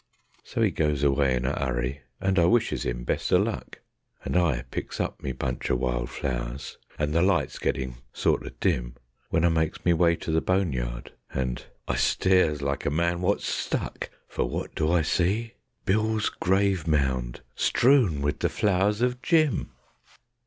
So 'e goes away in a 'urry, and I wishes 'im best o' luck, And I picks up me bunch o' wild flowers, and the light's gettin' sorto dim, When I makes me way to the boneyard, and ... I stares like a man wot's stuck, For wot do I see? _BILL'S GRAVE MOUND STREWN WITH THE FLOWERS OF JIM.